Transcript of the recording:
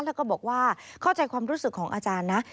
แล้วก็บอกว่าเข้าใจความรู้สึกของอาจารย์นะ